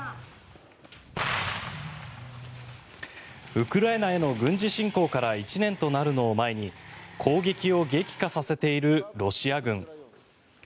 ウクライナへの軍事侵攻から１年となるのを前に攻撃を激化させているロシア軍。